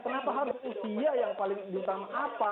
kenapa harus usia yang paling utama apa